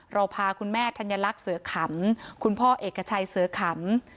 เราพาคุณแม่ธัญลักษณ์เสือขำคุณพ่อเอกชัยเสือขำ